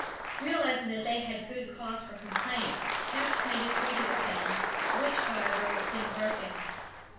Realizing that they had good cause for complaint, Kieft made a treaty with them, which, however, was soon broken.